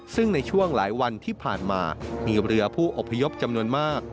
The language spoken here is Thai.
ซึ่งในช่วงหลายวันที่ผ่านมามีเรือผู้อพยพจำนวนมาก